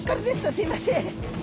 すいません。